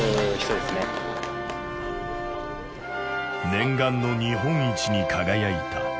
念願の日本一に輝いた。